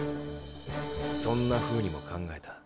そんなふうにも考えた。